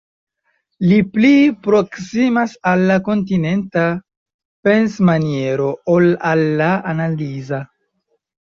Li pli proksimas al la kontinenta pensmaniero ol al la analiza.